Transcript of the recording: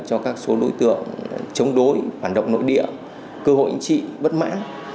cho các số đối tượng chống đối hoạt động nội địa cơ hội trị bất mãn